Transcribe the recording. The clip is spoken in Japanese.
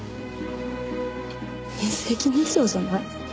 一石二鳥じゃない。